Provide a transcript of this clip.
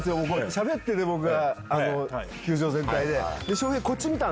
しゃべってて僕が球場全体で。